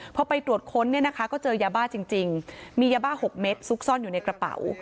พอไปตรวจค้นเนี่ยนะคะก็เจอยาบ้าจริงมียาบ้า๖เม็ดซุกซ่อนอยู่ในกระเป๋า